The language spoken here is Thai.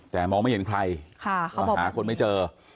แต่มองไม่เห็นใครมาหาคนไม่เจอ